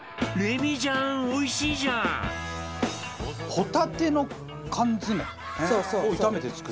ホタテの缶詰を炒めて作る。